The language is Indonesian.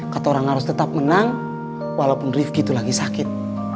kata orang harus tetap menang walaupun rifki itu lagi sakit